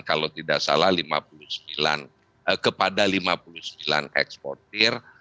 kalau tidak salah kepada lima puluh sembilan eksportir